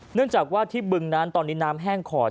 เนื่องจากว่าที่บึงนั้นตอนนี้น้ำแห้งขอด